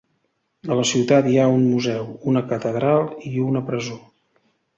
A la ciutat hi ha un museu, una catedral i una presó.